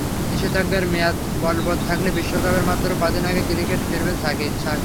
নিষেধাজ্ঞার মেয়াদ বলবত্ থাকলে বিশ্বকাপের মাত্র কদিন আগে ক্রিকেটে ফিরবেন সাবিক।